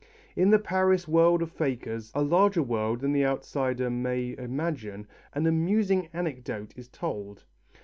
In the Paris world of fakers, a larger world than the outsider may imagine, an amusing anecdote is told.